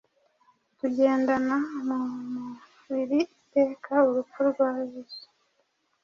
Tugendana mu mubiri iteka urupfu rwa Yesu,